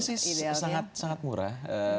filmnya sih sangat murah